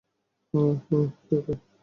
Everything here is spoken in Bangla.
হ্যাঁ ওহ, ওকে।